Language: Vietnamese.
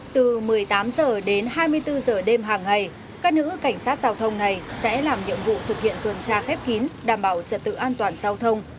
từ một mươi tám h đến hai mươi bốn h đêm hàng ngày các nữ cảnh sát giao thông này sẽ làm nhiệm vụ thực hiện tuần tra khép kín đảm bảo trật tự an toàn giao thông